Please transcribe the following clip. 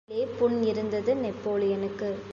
வயிற்றிலே புண் இருந்தது நெப்போலியனுக்கு.